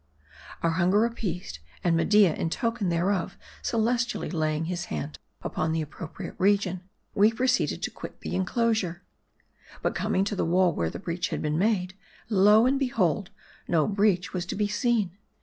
Our hunger appeased, and Media in token thereof celes tially laying his hand upon the appropriate region, we pro ceeded to quit the inclosure. But coming to the wall where the breach had been made, lo, and behold, no breach was to be seen.